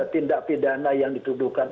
tindak pidana yang dituduhkan